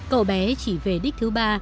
cậu bé chỉ về đích thứ ba